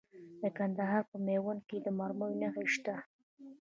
د کندهار په میوند کې د مرمرو نښې شته.